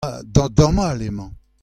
da damall emañ.